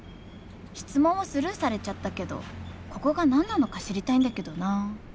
質問をスルーされちゃったけどここが何なのか知りたいんだけどな。